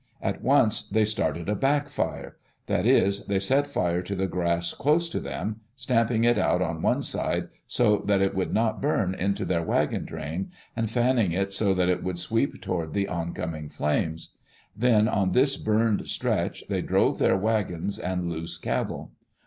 At once they started a "back fire." That is, they set fire to the grass close to them, stamping it out on one side so that it would not burn into their wagon train, and fanning it so that it would sweep toward the oncoming flames. Then, on this burned stretch, they drove their wagons and loose cattle.